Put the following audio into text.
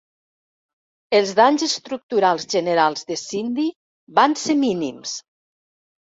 Els danys estructurals generals de Cindy van ser mínims.